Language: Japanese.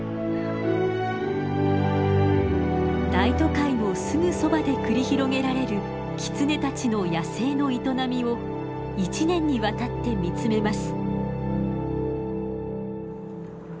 大都会のすぐそばで繰り広げられるキツネたちの野生の営みを１年にわたって見つめます。